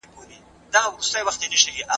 د دې رومان ژبه ډېره خوږه او شاعرانه ده.